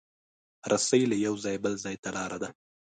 رسۍ له یو ځایه بل ځای ته لاره ده.